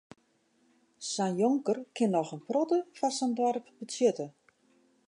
Sa'n jonker kin noch in protte foar sa'n doarp betsjutte.